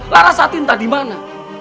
laras hati entah dimana